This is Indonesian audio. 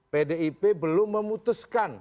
pdip belum memutuskan